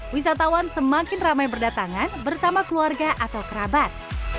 wisatawan semakin ramai berdatangan bersama keluarga atau kerabat